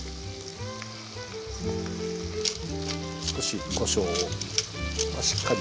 少しこしょうをしっかり。